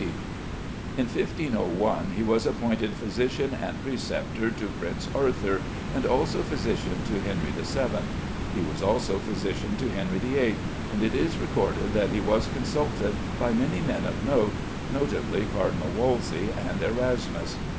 D.). In 1501 he was appointed physician and preceptor to Prince Arthur, and also physician to Henry VII. He was also physician to Henry VIII., and it is recorded that he was consulted by many men of note, notably Cardinal Wolsey and Erasmus.